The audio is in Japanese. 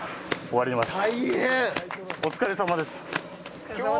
お疲れさまです。